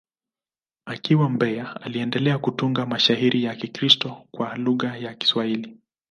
Akiwa Mbeya, aliendelea kutunga mashairi ya Kikristo kwa lugha ya Kiswahili.